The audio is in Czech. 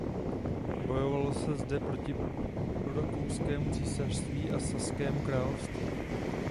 Bojovalo zde Prusko proti Rakouskému císařství a Saskému království.